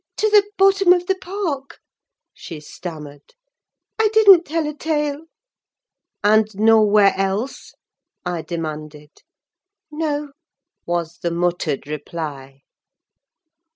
"To the bottom of the park," she stammered. "I didn't tell a tale." "And nowhere else?" I demanded. "No," was the muttered reply.